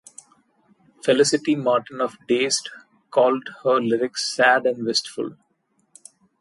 Felicity Martin of "Dazed" called her lyrics "sad" and "wistful".